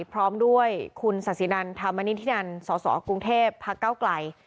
พร้อมด้วยคุณศาสินัลธามณิทินัลสสกรุงเทพฯพักก้าวกลัย